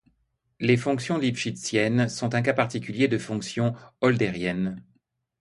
Les fonctions lipschitziennes sont un cas particulier de fonctions höldériennes.